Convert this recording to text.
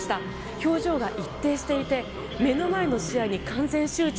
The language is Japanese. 表情が一定していて目の前の試合に完全集中。